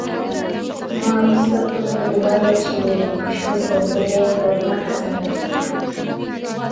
خمارو سترګو ته دې وايه چې مې ماشوم زړګی نور نه ازاروينه شي